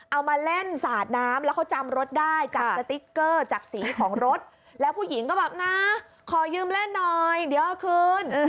เอามาเล่นสาดน้ำแล้วเขาจำรถได้จากสติ๊กเกอร์จากสีของรถแล้วผู้หญิงก็แบบนะขอยืมเล่นหน่อยเดี๋ยวเอาคืน